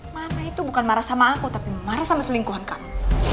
mama itu bukan marah sama aku tapi marah sama selingkuhan kamu